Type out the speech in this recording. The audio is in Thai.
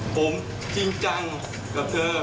ผมจริงจังกับเธอ